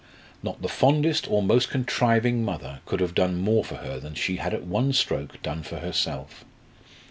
Not the fondest or most contriving mother could have done more for her than she had at one stroke done for herself.